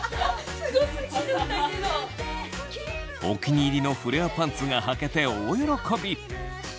お気に入りのフレアパンツがはけて大喜び。